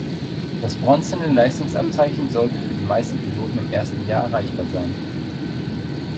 Das Bronzene Leistungsabzeichen sollte für den meisten Piloten im ersten Jahr erreichbar sein.